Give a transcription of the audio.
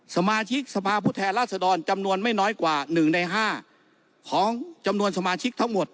สมาชิกสภาพผู้แทนราษฎรจำนวนไม่น้อยกว่า๑ใน๕ของจำนวนสมาชิกทั้งหมด